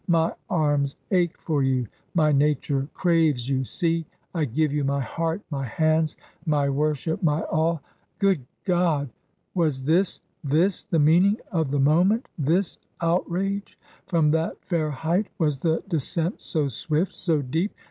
My arms ache for you, my nature craves you. See ! I give you my heart, my hands, my worship, my all !" Good God ! was this — this the meaning of the mo ment? — this outrage/ From that fair height was the descent so swifl, so deep?